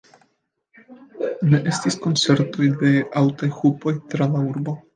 Ne estis koncertoj de aŭtaj hupoj tra la urbo.